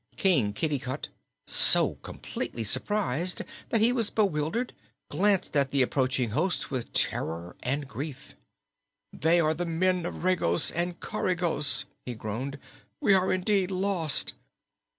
King Kitticut, so completely surprised that he was bewildered, gazed at the approaching host with terror and grief. "They are the men of Regos and Coregos!" he groaned. "We are, indeed, lost!"